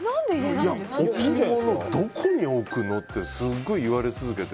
置き物をどこに置くの？ってすごい言われ続けて。